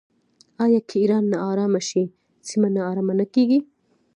آیا که ایران ناارامه شي سیمه ناارامه نه کیږي؟